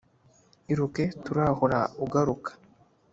Iruke turahura ugaruka